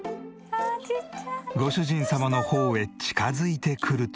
ご主人様の方へ近づいてくると。